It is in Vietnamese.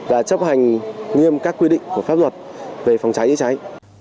và chấp hành nghiêm các quy định của pháp luật về phòng cháy chữa cháy